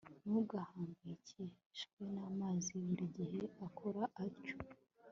ntugahangayikishwe na manzi. buri gihe akora atyo